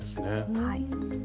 はい。